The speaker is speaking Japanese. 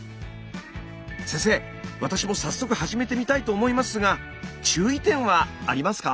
先生私も早速始めてみたいと思いますが注意点はありますか？